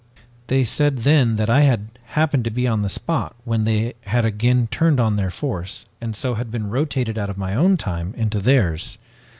"They said then that I had happened to be on the spot when they had again turned on their force and so had been rotated out of my own time into theirs.